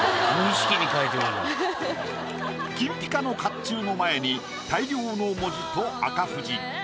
金ピカの甲冑の前に「大漁」の文字と赤富士。